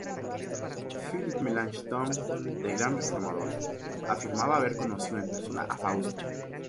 Philipp Melanchthon, el gran reformador, afirmaba haber conocido en persona a Fausto.